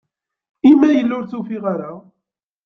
I ma yella ur tt-ufiɣ ara?